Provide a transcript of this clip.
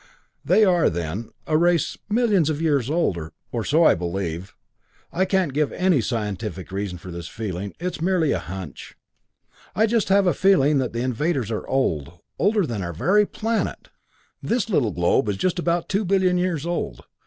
"They are, then, a race millions of years old or so I believe. I can't give any scientific reason for this feeling; it's merely a hunch. I just have a feeling that the invaders are old, older than our very planet! This little globe is just about two billion years old.